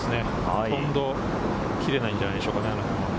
ほとんど切れないんじゃないでしょうか。